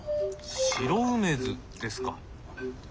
白梅酢ですか？